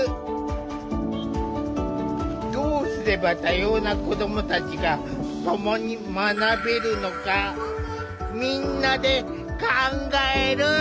どうすれば多様な子どもたちがともに学べるのかみんなで考える！